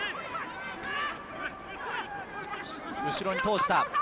後ろに通した。